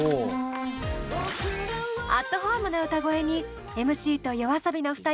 アットホームな歌声にＭＣとＹＯＡＳＯＢＩの２人も思わず。